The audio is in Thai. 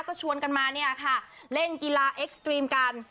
ก็ชวนกันมาเนี่ยค่ะเล่นกีฬาเอ็กซ์ตรีมกัน